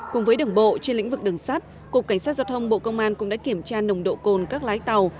cùng với đường bộ trên lĩnh vực đường sát cục cảnh sát giao thông bộ công an cũng đã kiểm tra nồng độ cồn các lái tàu